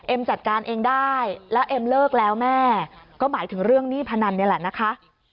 จัดการเองได้แล้วเอ็มเลิกแล้วแม่ก็หมายถึงเรื่องหนี้พนันนี่แหละนะคะ